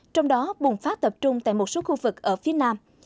trong đó bùng phát tập trung tại một số khu vực ở phía nam